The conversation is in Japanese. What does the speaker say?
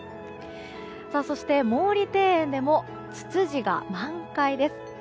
そして、毛利庭園でもツツジが満開です。